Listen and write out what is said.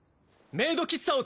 ・メイドの喫茶店？